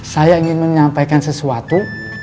saya ingin menyampaikan sesuatu